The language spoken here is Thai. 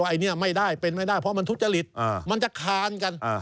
อันนี้ไม่ได้เป็นไม่ได้เพราะมันทุจริตมันจะคานกัน